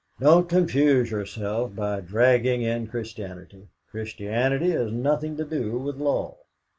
"Don't confuse yourself by dragging in Christianity. Christianity has nothing to do with law."